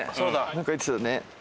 なんか言ってたね。